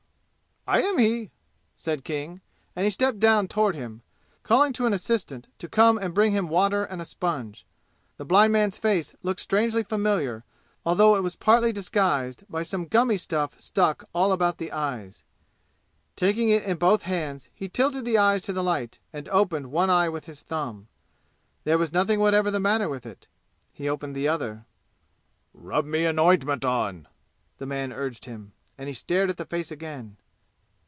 "I am he," said King, and he stepped down toward him, calling to an assistant to come and bring him water and a sponge. The blind man's face looked strangely familiar, though it was partly disguised by some gummy stuff stuck all about the eyes. Taking it in both hands be tilted the eyes to the light and opened one eye with his thumb. There was nothing whatever the matter with it. He opened the other. "Rub me an ointment on!" the man urged him, and he stared at the face again.